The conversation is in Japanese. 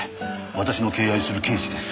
私の敬愛する刑事です。